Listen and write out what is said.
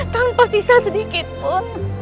tanpa sisa sedikit pun